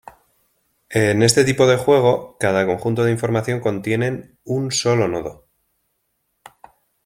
En este tipo de juego cada Conjunto de información contienen un solo nodo.